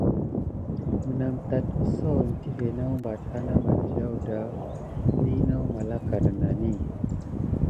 Menam tat éttokon tivé nawbate ana madiaw da vi naw malaka nənani.